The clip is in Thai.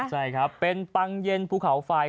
ใช่ครับเป็นปังเย็นภูเขาไฟ